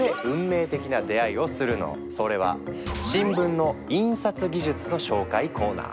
そこでそれは新聞の印刷技術の紹介コーナー。